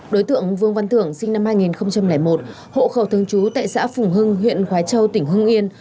đối tượng vương văn thưởng sinh năm hai nghìn một hộ khẩu thương chú tại xã phùng hưng huyện khói châu tỉnh hưng yên